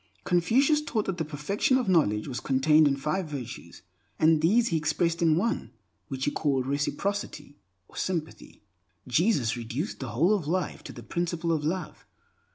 Confucius taught that the perfection of knowledge was contained in five virtues, and these he expressed in one which he called Reciprocity, or Sympathy. Jesus reduced the whole of life to the principle of Love.